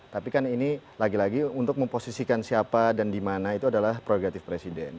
tapi kan ini lagi lagi untuk memposisikan siapa dan di mana itu adalah prerogatif presiden